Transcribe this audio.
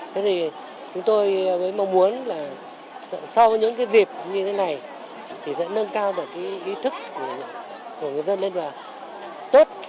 thế thì chúng tôi mới mong muốn là sau những cái dịp như thế này thì sẽ nâng cao được ý thức của người dân lên và tốt